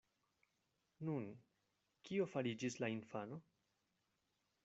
Nun, kio fariĝis la infano?